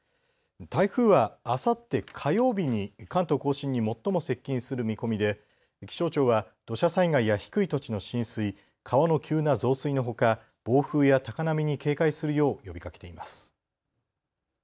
台風はあさって火曜日に関東甲信に最も接近する見込みで気象庁は土砂災害や低い土地の浸水、川の急な増水のほか暴風や高波に警戒するよう呼びかけています。